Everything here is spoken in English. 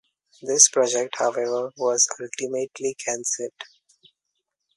This project however, was ultimately canceled.